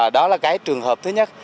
đó là cái trường hợp thứ nhất